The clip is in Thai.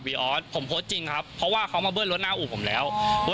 เอาโพสต์นั้นมาได้ครับเพราะว่าผมมีโพสต์นึงครับว่า